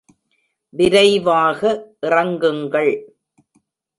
விரைவாக, இறங்குங்கள்!